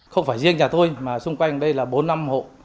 không phải riêng nhà tôi mà xung quanh đây là bốn năm hộ